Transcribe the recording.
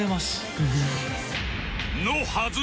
のはずが